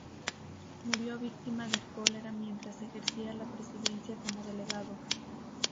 Murió víctima del cólera mientras ejercía la presidencia como delegado.